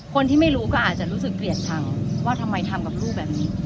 คนที่ไม่รู้ก็อาจจะรู้สึกเกลียดชังว่าทำไมทำกับลูกแบบนี้